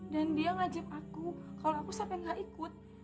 dan dia ngajak aku kalau aku sampai nggak ikut